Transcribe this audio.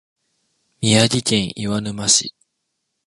宮城県岩沼市